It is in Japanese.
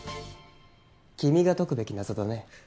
君が解くべき謎だね。